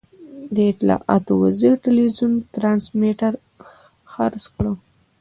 د اطلاعاتو وزیر ټلوېزیون ټرانسمیټر خرڅ کړ.